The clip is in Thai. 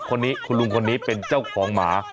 คนนี้คุณลุงคนนี้เป็นเจ้าของหมา